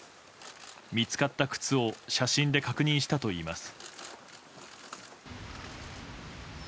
見つかった靴を写真で確認したといいます。